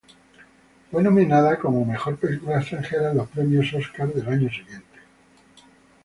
Fue nominada como Mejor Película Extranjera en los Premios Óscar del año siguiente.